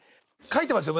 書いてますよ